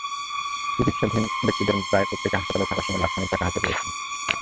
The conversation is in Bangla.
চিকিৎসাধীন ব্যক্তিদের প্রায় প্রত্যেকে হাসপাতালে থাকার সময় লাখ খানেক টাকা হাতে পেয়েছেন।